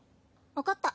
分かった。